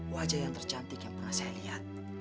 wajah yang tercantik yang pernah saya lihat